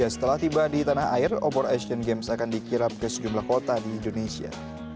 setelah tiba di tanah air obor asian games akan dikirap ke sejumlah kota di indonesia